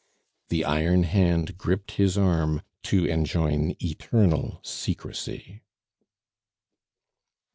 The iron hand gripped his arm to enjoin eternal secrecy.